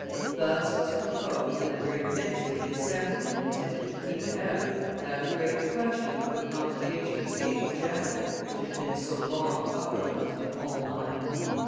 Thus was proposed, in the very midst of the Assembly intended to keep it out, that great question of the convocation of the States general which had been so long uppermost in all minds.